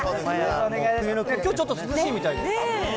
きょうちょっと涼しいみたいですよ。